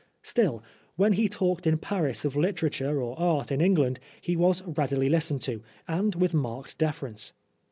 Still, when he talked in Paris of literature or art in England, he was readily listened to, and with marked deference.